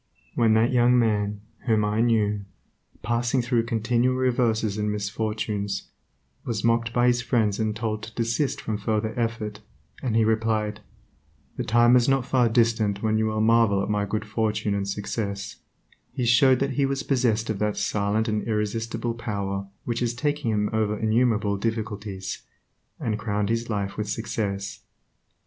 When that young man, whom I knew, passing through continual reverses and misfortunes, was mocked by his friends and told to desist from further effort, and he replied, "The time is not far distant when you will marvel at my good fortune and success," he showed that he was possessed of that silent and irresistible power which has taken him over innumerable difficulties, and crowned his life with success.